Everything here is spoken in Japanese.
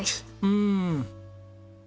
「うん。